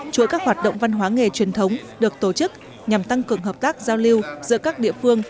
chuỗi các hoạt động văn hóa nghề truyền thống được tổ chức nhằm tăng cường hợp tác giao lưu giữa các địa phương